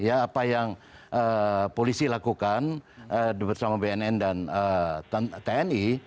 apa yang polisi lakukan bersama bnn dan tni